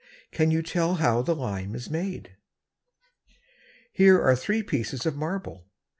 Can you tell how the lime is made? Here are three pieces of marble.